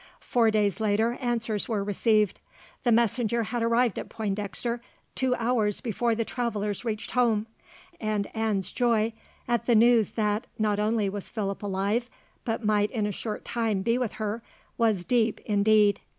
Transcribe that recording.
Four days later answers were received. The messenger had arrived at Pointdexter two hours before the travellers reached home, and Anne's joy at the news that, not only was Philip alive, but might in a short time be with her, was deep indeed.